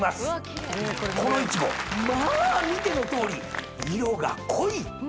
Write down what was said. このイチゴ見てのとおり色が濃い！